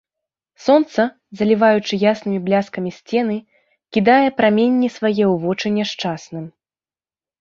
Сонца, заліваючы яснымі бляскамі сцены, кідае праменні свае ў вочы няшчасным.